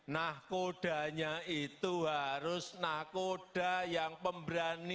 nahkodanya itu harus nahkoda yang pemberani